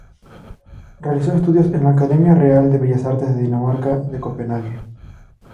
Realizó estudios en la Academia Real de Bellas Artes de Dinamarca de Copenhague.